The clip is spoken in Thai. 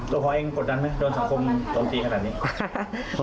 ตัวพอเองกดดันไหมโดนสังคมโจมตีขนาดนี้